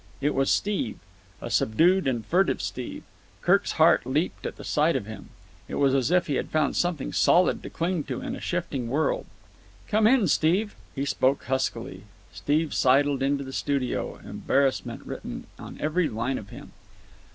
It was Steve. A subdued and furtive Steve. Kirk's heart leaped at the sight of him. It was as if he had found something solid to cling to in a shifting world. "Come in, Steve." He spoke huskily. Steve sidled into the studio, embarrassment written on every line of him.